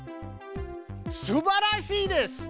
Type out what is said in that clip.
すばらしいです！